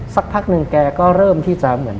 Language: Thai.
สักพักหนึ่งแกก็เริ่มที่จะเหมือน